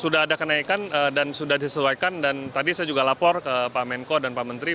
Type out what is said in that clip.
sudah ada kenaikan dan sudah disesuaikan dan tadi saya juga lapor ke pak menko dan pak menteri